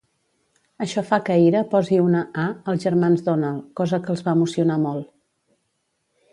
Això fa que Ira posi una A als germans Donald, cosa que els va emocionar molt.